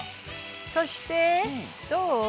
そしてどう？